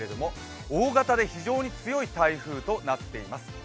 大型で非常に強い台風となっています。